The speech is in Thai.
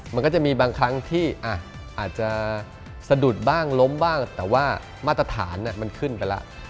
มันก็จะมีบางครั้งที่อาจจะสะดุดบ้างล้มบ้างแต่ว่ามาตรฐานมันขึ้นไปแล้ว